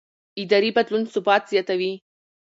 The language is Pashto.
اداري بدلون ثبات زیاتوي